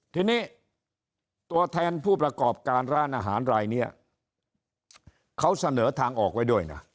ทีนี้ตัวแทนผู้ประกอบการร้านอาหารรายนี้เขาเสนอทางออกไว้ด้วยนะ